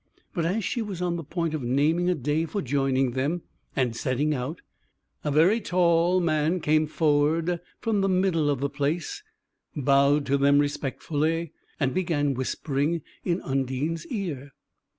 But as she was on the point of naming a day for joining them and setting out, a very tall man came forward from the middle of the place, bowed to them respectfully, and began whispering in Undine's ear.